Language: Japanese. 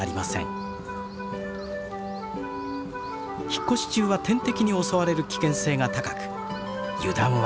引っ越し中は天敵に襲われる危険性が高く油断は大敵です。